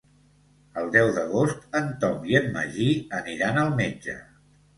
El deu d'agost en Tom i en Magí aniran al metge.